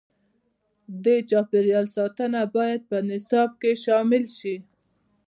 د چاپیریال ساتنه باید په نصاب کې شامل شي.